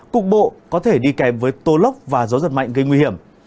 cục bộ có thể đi kèm với tô lốc và gió giật mạnh gây nguy hiểm